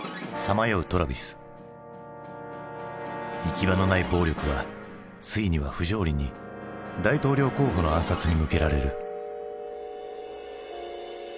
行き場のない暴力はついには不条理に大統領候補の暗殺に向けられる。